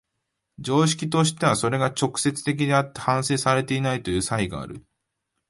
常識としてはそれが直接的であって反省されていないという差異がある。